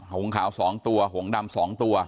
หงขาว๒ตัวหงดำ๒ตัว